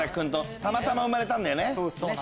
たまたま生まれたんだよね。